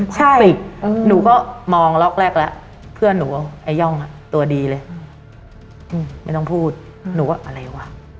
ใช่ปิดหนูก็มองล็อกแรกแล้วเพื่อนหนูว่าไอ้ย่องอ่ะตัวดีเลยไม่ต้องพูดหนูก็อะไรวะ